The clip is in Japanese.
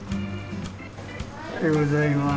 おはようございます。